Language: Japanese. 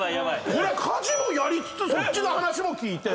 俺は家事もやりつつそっちの話も聞いて。